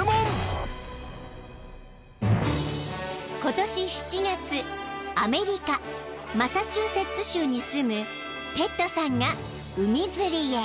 ［今年７月アメリカマサチューセッツ州に住むテッドさんが海釣りへ］